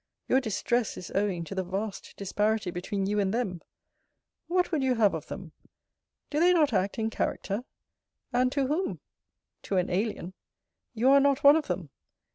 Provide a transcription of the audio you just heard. Your distress is owing to the vast disparity between you and them. What would you have of them? Do they not act in character? And to whom? To an alien. You are not one of them.